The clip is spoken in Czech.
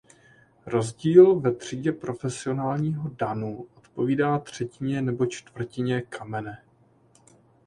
Rozdíl ve třídě profesionálního danu odpovídá třetině nebo čtvrtině kamene.